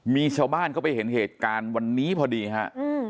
มีชาวบ้านเข้าไปเห็นเหตุการณ์วันนี้พอดีฮะ